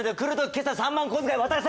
今朝３万小遣い渡し